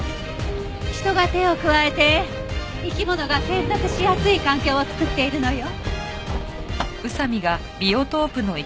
人が手を加えて生き物が生息しやすい環境を作っているのよ。